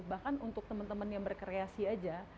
bahkan untuk teman teman yang berkreasi aja